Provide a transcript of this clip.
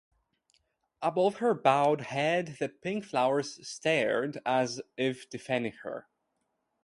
Above her bowed head the pink flowers stared, as if defending her.